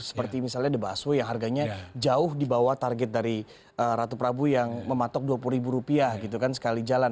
seperti misalnya the busway yang harganya jauh di bawah target dari ratu prabu yang mematok dua puluh ribu rupiah gitu kan sekali jalan